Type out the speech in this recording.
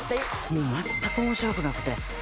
もう全く面白くなくて。